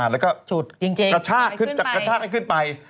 แล้วก็กระชากให้ขึ้นไป